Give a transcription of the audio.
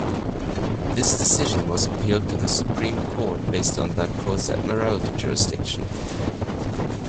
This decision was appealed to the Supreme Court based on that court's Admiralty jurisdiction.